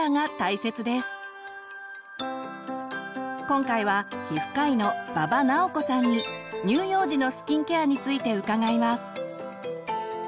今回は皮膚科医の馬場直子さんに乳幼児のスキンケアについて伺います。